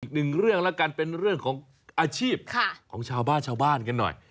อีกหนึ่งเรื่องแล้วกันเป็นเรื่องของอาชีพของชาวบ้านชาวบ้านกันหน่อย